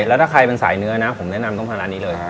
แล้วถ้าใครเป็นสายเนื้อนะผมแนะนำต้องทานร้านนี้เลย